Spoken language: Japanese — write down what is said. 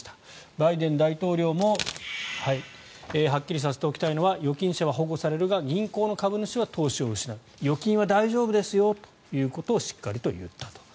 バイデン大統領もはっきりさせておきたいのは預金者は保護されるが銀行の株主は投資を失う預金は大丈夫ですよということをしっかりと言ったと。